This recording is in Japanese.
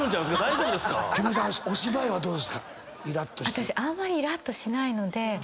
私あんまりイラッとしないので。